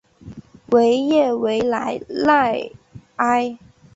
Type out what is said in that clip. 维耶维莱赖埃。